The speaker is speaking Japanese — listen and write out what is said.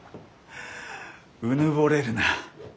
うぬぼれるな。